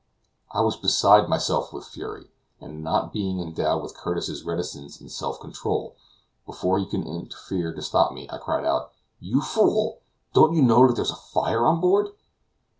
I was beside myself with fury; and not being endowed with Curtis's reticence and self control, before he could interfere to stop me, I cried out: "You fool! don't you know that there is fire on board?"